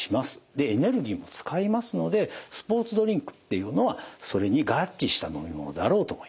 でエネルギーも使いますのでスポーツドリンクっていうのはそれに合致した飲み物だろうと思います。